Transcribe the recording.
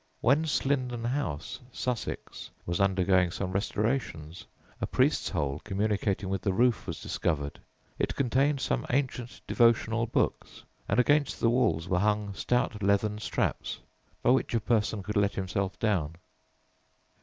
When Slindon House, Sussex, was undergoing some restorations, a "priest's hole" communicating with the roof was discovered. It contained some ancient devotional books, and against the walls were hung stout leathern straps, by which a person could let himself down.